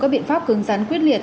các biện pháp cường rắn quyết liệt